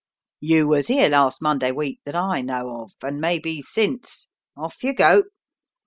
"You was here last Monday week that I know of, and may be since. Off you go!"